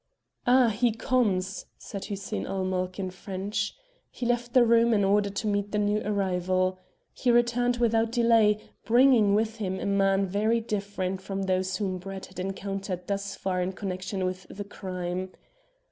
"Ah! he comes," said Hussein ul Mulk in French. He left the room in order to meet the new arrival. He returned without delay, bringing with him a man very different from those whom Brett had encountered thus far in connection with the crime.